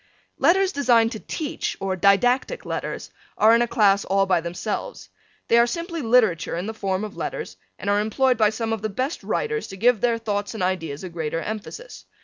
Letters designed to teach or didactic letters are in a class all by themselves. They are simply literature in the form of letters and are employed by some of the best writers to give their thoughts and ideas a greater emphasis.